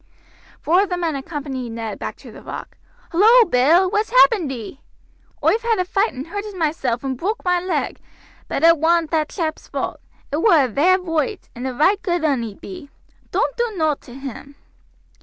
Four of the men accompanied Ned back to the rock. "Hullo, Bill! what's happened ee?" his brother asked. "Oi've had a fight and hurted myself, and broke my leg; but it wa'nt that chap's fault; it were a vair voight, and a right good 'un he be. Doan't do nowt to him."